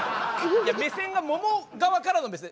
目線が桃側からの目線。